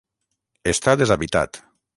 Està deshabitat.